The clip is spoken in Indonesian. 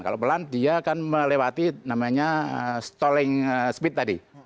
kalau pelan dia akan melewati namanya stalling speed tadi